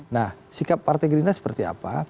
nah sikap partai gerindra seperti apa